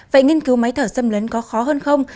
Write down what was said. vậy nghiên cứu máy thở xâm lấn có khó hơn không